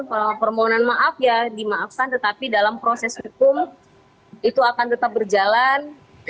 kalau permohonan maaf ya dimaafkan tetapi dalam proses hukum itu akan tetap berjalan